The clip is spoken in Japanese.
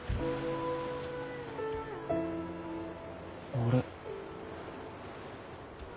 あれ。